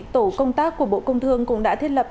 tổ công tác của bộ công thương cũng đã thiết lập